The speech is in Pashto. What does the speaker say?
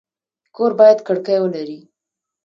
کور باید کړکۍ ولري